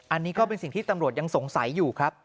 อันนี้ก็เป็นสิ่งที่ตำรวจยังสงสัยอยู่ครับ